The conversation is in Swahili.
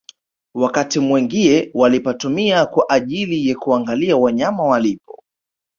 Wakati mwingie walipatumia kwa ajili ya kuangalia wanyama walipo